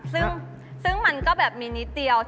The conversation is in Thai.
ซึ่งมันก็แบบมีนิดเดียว